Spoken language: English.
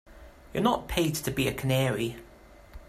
You're not paid to be a canary.